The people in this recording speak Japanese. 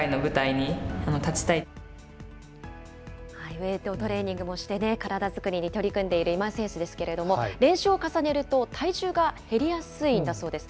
ウエートトレーニングもして、体作りに取り組んでいる今井選手ですけれども、練習を重ねると体重が減りやすいんだそうです。